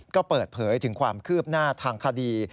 ก็เปิดเผยถึงความคืบหน้าทางคดี